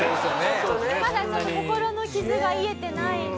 まだちょっと心の傷が癒えてない。